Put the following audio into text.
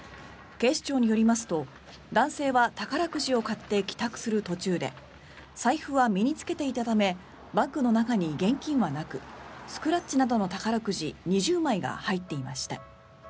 警視庁によりますと、男性は宝くじを買って帰宅する途中で財布は身に着けていたためバッグの中に現金はなくスクラッチなどの宝くじ２０枚が入っていました。